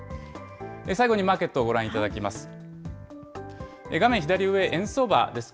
最後にマーケットをご覧いただきます。